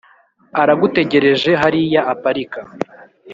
aragutegereje hariya aparika